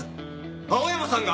青山さんが！？